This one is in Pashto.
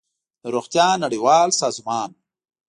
د روغتیا نړیوال سازمان